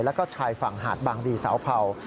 แล้วก็ชายฝั่งหาดบางดีเสาเผา